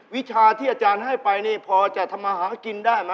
วิชาที่อาจารย์ให้ไปนี่พอจะทำมาหากินได้ไหม